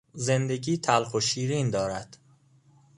زندگی تلخ و شیرین دارد.